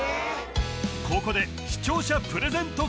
ここで視聴者プレゼント